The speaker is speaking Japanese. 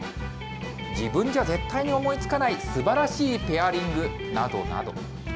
自分じゃ絶対に思いつかないすばらしいペアリングなどなど。